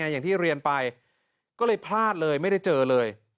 อย่างที่เรียนไปก็เลยพลาดเลยไม่ได้เจอเลย